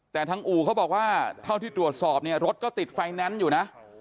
แต่ทางอู่เขาบอกว่าเท่าที่ตรวจสอบเนี่ยรถก็ติดไฟแนนซ์อยู่นะ